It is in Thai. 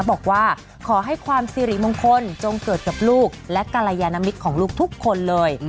บอกว่าขอให้ความสิริมงคลจงเกิดกับลูกและกรยานมิตรของลูกทุกคนเลย